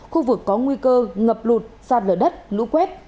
khu vực có nguy cơ ngập lụt sạt lở đất lũ quét